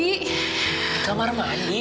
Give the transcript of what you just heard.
di kamar mandi